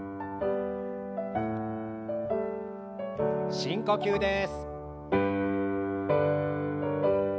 深呼吸です。